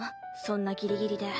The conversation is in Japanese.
そんなギリギリで。